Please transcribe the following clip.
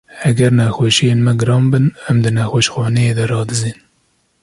Heger nexweşiyên me giran bin, em di nexweşxaneyê de radizên.